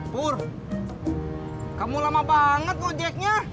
pur kamu lama banget loh jacknya